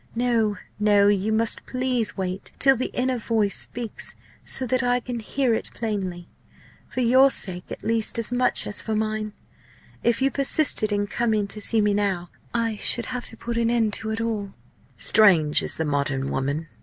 No, no! you must please wait till the inner voice speaks so that I can hear it plainly for your sake at least as much as for mine. If you persisted in coming to see me now, I should have to put an end to it all." "Strange is the modern woman!"